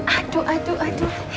aduh aduh aduh